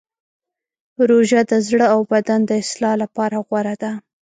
روژه د زړه او بدن د اصلاح لپاره غوره ده.